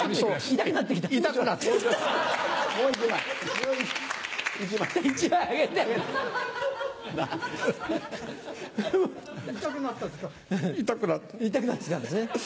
痛くなって来たんですね。